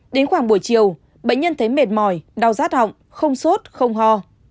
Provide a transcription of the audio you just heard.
đến khoảng buổi chiều bệnh nhân thấy mệt mỏi đau rát họng không sốt không ho